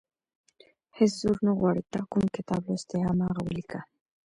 هېڅ زور نه غواړي تا کوم کتاب لوستی، هماغه ولیکه.